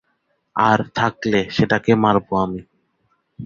আর থাকলে, সেটাকে মারবো আমি।